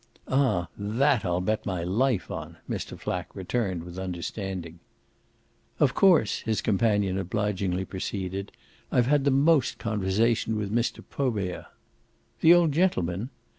"Ah THAT I'll bet my life on!" Mr. Flack returned with understanding. "Of course," his companion obligingly proceeded, "'ve had most conversation with Mr. Probert." "The old gentleman?"